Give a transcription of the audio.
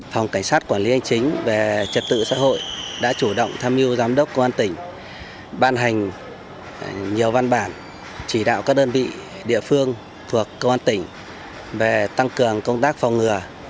phòng cảnh sát quản lý hành chính về trật tự xã hội đã chủ động tham mưu giám đốc công an tỉnh ban hành nhiều văn bản chỉ đạo các đơn vị địa phương thuộc công an tỉnh về tăng cường công tác phòng ngừa